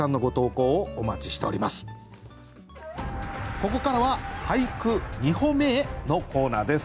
ここからは「俳句、二歩目へ」のコーナーです。